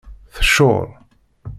Teccuṛ.